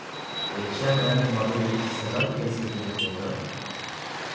Etxean edaten badugu, zergatik ez iturriko ura?